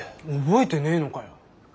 覚えてねえのかよ。